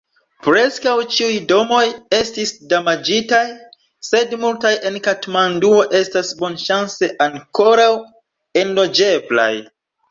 Preskaŭ ĉiuj domoj estis damaĝitaj, sed multaj en Katmanduo estas bonŝance ankoraŭ enloĝeblaj.